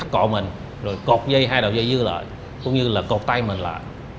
cọ mình rồi cột dây hai đầu dây dưa lại cũng như là cột tay mình lại